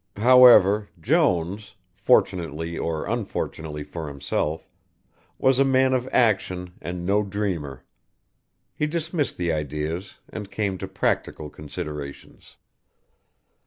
However, Jones, fortunately or unfortunately for himself, was a man of action and no dreamer. He dismissed the ideas and came to practical considerations.